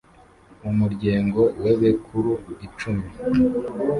mu muryengo w’ebekuru icumi,